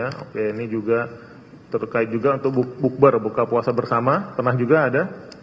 oke ini juga terkait juga untuk bukbar buka puasa bersama pernah juga ada